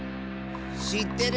しってる！